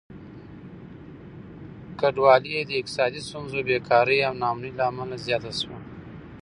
کډوالي د اقتصادي ستونزو، بېکاري او ناامني له امله زياته شوه.